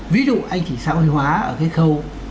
ví dụ anh chỉ xã hội hóa ở cái khâu